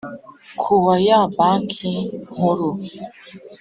Kuwa ya banki nkuru